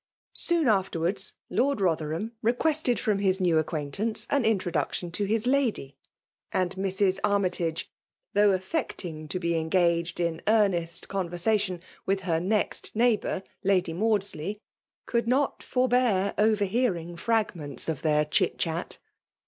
Swa afteiwsoli, Ijatd Bothcrham requested from kis wm M ^ludntanec an introduction to his^ lady; aa^ Mr». Annytage, though affecting to be iCOt gaged in earnest conversation with her neiet heighbour> Lady Maudsley, could not fiofhear orerhearing fragments of their chitchat.